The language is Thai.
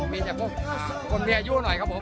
มีแต่พวกคนมีอายุหน่อยครับผม